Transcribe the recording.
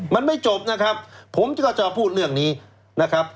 มันไม่จบนะครับผมก็จะพูดเรื่องนี้นะครับ